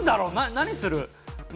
何する？